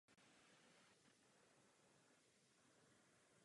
Jeho členové jsou pravidelně informováni o činnosti organizace.